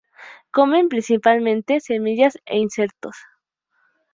Comen principalmente semillas e insectos.